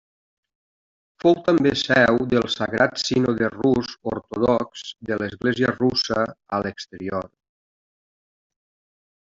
Fou també seu del sagrat sínode rus ortodox de l'església russa a l'exterior.